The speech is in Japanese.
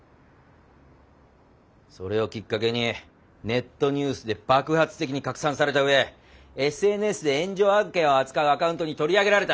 それをきっかけにネットニュースで爆発的に拡散された上ＳＮＳで炎上案件を扱うアカウントに取り上げられた。